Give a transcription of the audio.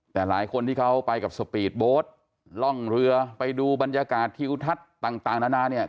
แต่หลายคนที่เขาไปกับสปีดโบสต์ล่องเรือไปดูบรรยากาศทิวทัศน์ต่างนานาเนี่ย